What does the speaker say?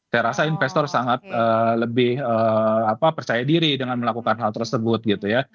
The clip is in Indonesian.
saya rasa investor sangat lebih percaya diri dengan melakukan hal tersebut gitu ya